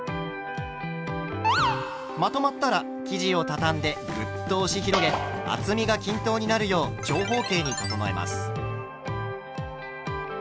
まとまったら生地をたたんでグッと押し広げ厚みが均等になるよう長方形に整えます。